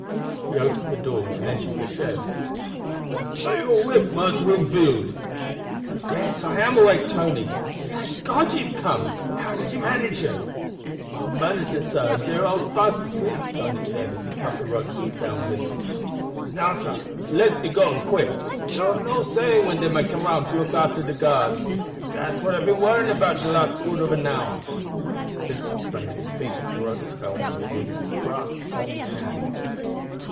He opened the door and entered the shed. "Are you awake, Marse Wingfield?" "Yes, I am awake, Tony. Thank God you have come! How did you manage it?" "I hab managed it, sah, and dey are all fast asleep," Tony said, as he cut the ropes which bound Vincent. "Now, sah, let's be going quick. Dar am no saying when dey may come round to look after de guards. Dat's what I hab been worrying about de last quarter ob an hour." Vincent sprang to his feet as the ropes fell from him, and grasped Tony's hand.